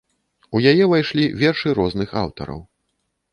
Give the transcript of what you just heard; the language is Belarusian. У яе ўвайшлі вершы розных аўтараў.